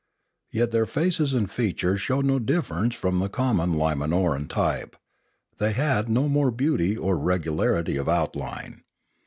Yet their faces and features showed no difference from the common Li manor an type; they bad no more beauty or regularity of outline.